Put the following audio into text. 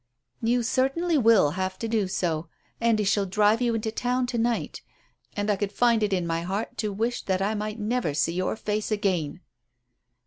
"You certainly will have to do so. Andy shall drive you into town to night, and I could find it in my heart to wish that I might never see your face again."